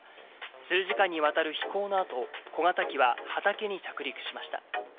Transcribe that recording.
数時間にわたる飛行のあと、小型機は畑に着陸しました。